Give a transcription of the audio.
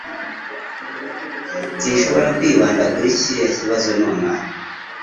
Sinshobora kwibanda kuri kiriya kibazo nonaha.